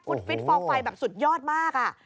คุณฟิตฟองไฟแบบสุดยอดมาก